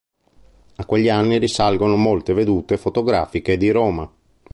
A quegli anni risalgono molte vedute fotografiche di Roma.